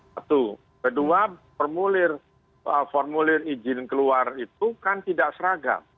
satu kedua formulir izin keluar itu kan tidak seragam